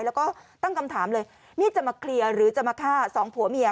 แล้วก็ตั้งคำถามเลยนี่จะมาเคลียร์หรือจะมาฆ่าสองผัวเมีย